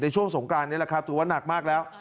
ในช่วงสงบการณ์นี้ละครับถูกว่านักมากแล้ว